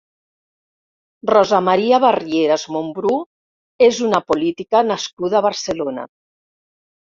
Rosa María Barrieras Mombrú és una política nascuda a Barcelona.